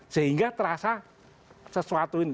sehingga terasa sesuatu ini